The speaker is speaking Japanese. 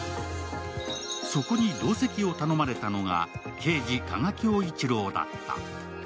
そこに同席を頼まれたのが刑事・加賀恭一郎だった。